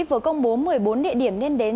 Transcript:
vừa công bố một mươi bốn địa điểm liên đến